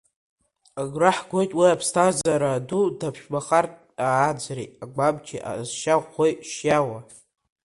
Агәра ҳгоит уи аԥсҭазаара ду даԥшәмахартә ааӡареи, агәамчи, аҟазшьа ӷәӷәеи шиауа.